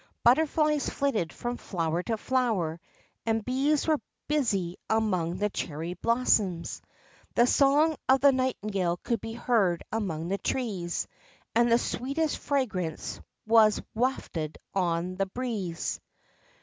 Butterflies flitted from flower to flower, and bees were busy among the cherry blossoms. The song of the nightingale could be heard among the trees, and the sweetest fragrance was wafted on the breeze.